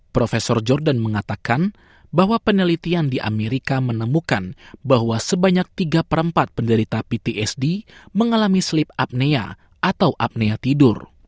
prof jordan mengatakan bahwa penelitian di amerika menemukan bahwa sebanyak tiga per empat penderita ptsd mengalami sleep apnea atau apnea tidur